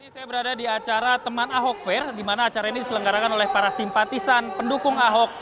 saya berada di acara teman ahok fair di mana acara ini diselenggarakan oleh para simpatisan pendukung ahok